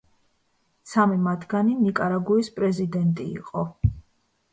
სამი მათგანი ნიკარაგუის პრეზიდენტი იყო.